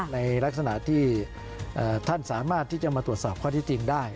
ในลักษณะที่ท่านสามารถที่จะมาตรวจสอบข้อที่จริงได้